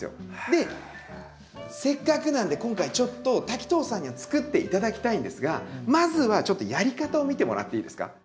でせっかくなんで今回ちょっと滝藤さんにはつくって頂きたいんですがまずはちょっとやり方を見てもらっていいですか。